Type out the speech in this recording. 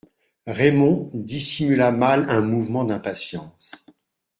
Raymond dissimula mal un mouvement d'impatience.